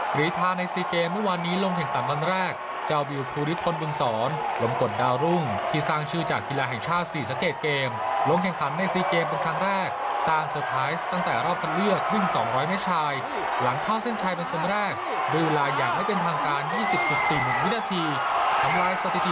รีทาในซีเกมเมื่อวานนี้ลงแข่งขันวันแรกเจ้าวิวภูริพลบุญศรลมกลดาวรุ่งที่สร้างชื่อจากกีฬาแห่งชาติศรีสะเกดเกมลงแข่งขันในซีเกมเป็นครั้งแรกสร้างเซอร์ไพรส์ตั้งแต่รอบคัดเลือกพึ่ง๒๐๐เมตรชายหลังเข้าเส้นชัยเป็นคนแรกดูแลอย่างไม่เป็นทางการ๒๐๔๑วินาทีทำลายสถิติ